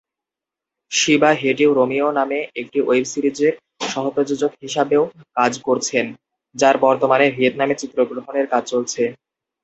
Shiba "hate you Romeo" নামে একটি web সিরিজের সহ-প্রযোজক হিসাবেও কাজ করছেন, যার বর্তমানে ভিয়েতনামে চিত্রগ্রহণের কাজ চলছে।